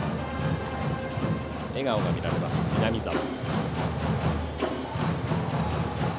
笑顔が見られます、南澤。